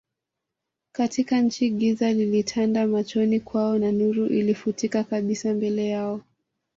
katika nchi Giza lilitanda machoni kwao na nuru ilifutika kabisa mbele yao